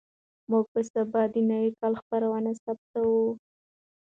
موږ سبا د نوي کال خپرونه ثبتوو.